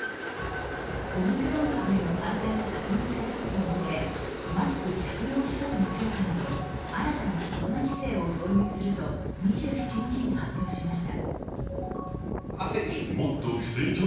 オミクロン株への感染が確認されたことを受けマスク着用規則の強化など新たなコロナ規制を導入すると２７日に発表しました。